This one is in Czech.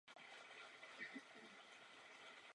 Doufáme, že brzy dosáhneme dohody s Komisí.